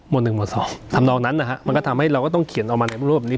หนึ่งหมวดสองทำนองนั้นนะฮะมันก็ทำให้เราก็ต้องเขียนออกมาในรูปแบบนี้